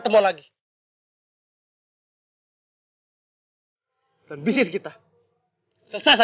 dewa jangan emosi kayak gini dong dewa